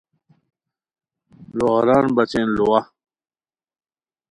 لوغاران بچین لواہ